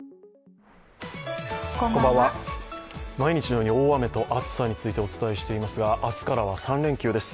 こんばんは、毎日のように大雨と暑さについてお伝えしていますが明日からは３連休です。